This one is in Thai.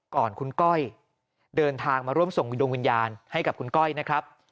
ก่อนคุณก้อยเดินทางมาร่วมส่งวิดวงวิญญาณให้กับคุณก้อยนะครับ